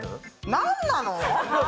何なの！？